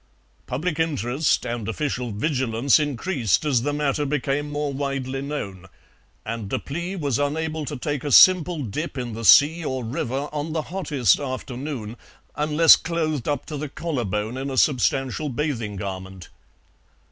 Public interest and official vigilance increased as the matter became more widely known, and Deplis was unable to take a simple dip in the sea or river on the hottest afternoon unless clothed up to the collarbone in a substantial bathing garment.